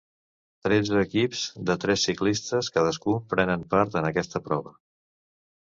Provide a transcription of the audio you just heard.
Tretze equips, de tres ciclistes cadascun, prenen part en aquesta prova.